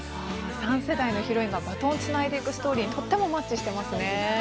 ３世代のヒロインがバトンをつないでいくストーリーにとてもマッチしてますね。